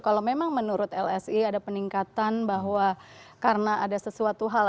kalau memang menurut lsi ada peningkatan bahwa karena ada sesuatu hal